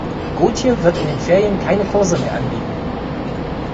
Gotje wird in den Ferien keine Kurse mehr anbieten.